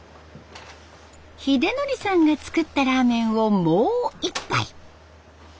秀則さんが作ったラーメンをもう一杯。